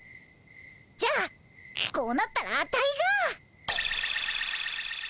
じゃあこうなったらアタイが。